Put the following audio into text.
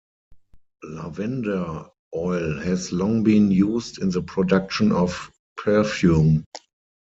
Lavender oil has long been used in the production of perfume.